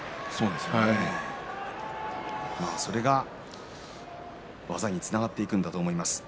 それが技につながっていくんだと思います。